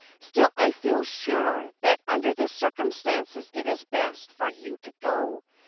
"Still I feel sure that under the circumstances it is best for you to go.